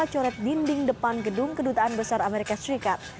coret dinding depan gedung kedutaan besar amerika serikat